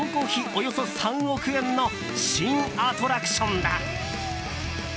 およそ３億円の新アトラクションだ。